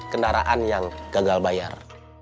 kendaraan yang gagal bayar